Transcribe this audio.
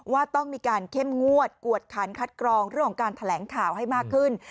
ว่าต้องมีการเข้มงวดกวดขันคัดกรองเรื่องของการแถลงข่าวให้มากขึ้น